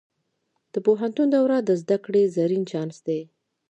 د پوهنتون دوره د زده کړې زرین چانس دی.